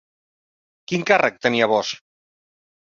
Quin càrrec tenia Bosch?